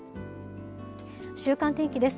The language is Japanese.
週間天気です。